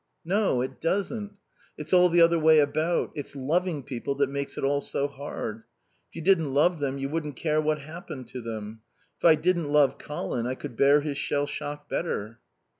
"No, it doesn't. It's all the other way about. It's loving people that makes it all so hard. If you didn't love them you wouldn't care what happened to them. If I didn't love Colin I could bear his shell shock better."